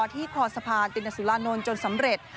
ที่คอสะพานตินสุรานนท์จนสำเร็จ